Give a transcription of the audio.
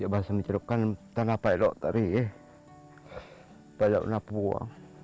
ya bahasa menceritakan tanah pailok tari ya banyak napua